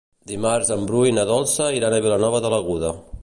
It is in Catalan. Dimarts en Bru i na Dolça iran a Vilanova de l'Aguda.